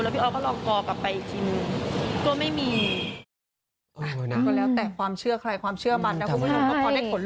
แล้วพี่อ๊อตก็ลองกรกลับไปอีกทีหนึ่ง